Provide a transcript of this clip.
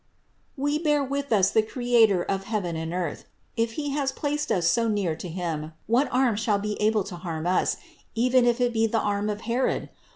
We bear with us the Creator of heaven and earth ; if He has placed us so near to Him, what arms shall be able to harm us, even if it be the arm of Herod?